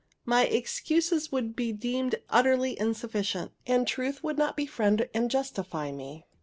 My excuses would be deemed utterly insufficient, and truth would not befriend and justify me.